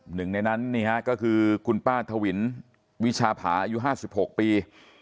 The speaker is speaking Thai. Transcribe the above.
หนึ่งในนั้นนี่ฮะก็คือคุณป้าถวิรินวิชาผศอายุห้าสิบหกปี